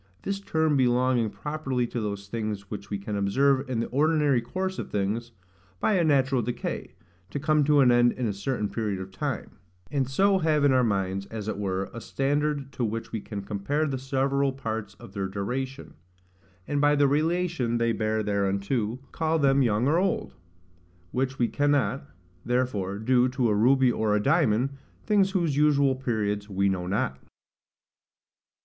This term belonging properly to those things which we can observe in the ordinary course of things, by a natural decay, to come to an end in a certain period of time; and so have in our minds, as it were, a standard to which we can compare the several parts of their duration; and, by the relation they bear thereunto, call them young or old; which we cannot, therefore, do to a ruby or a diamond, things whose usual periods we know not.